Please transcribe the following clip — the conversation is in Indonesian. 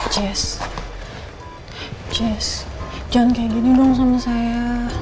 jess jess jangan kayak gini dong sama saya